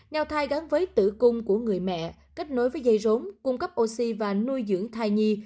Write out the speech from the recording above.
nao thai gắn với tử cung của người mẹ kết nối với dây rốn cung cấp oxy và nuôi dưỡng thai nhi